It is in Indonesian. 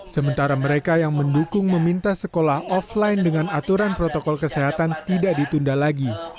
sementara mereka yang mendukung meminta sekolah offline dengan aturan protokol kesehatan tidak ditunda lagi